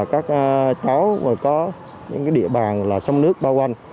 các cháu có địa bàn sông nước bao quanh